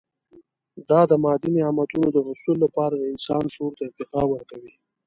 دا د مادي نعمتونو د حصول لپاره د انسان شعور ته ارتقا ورکوي.